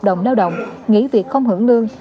hợp đồng lao động nghỉ việc không hưởng lương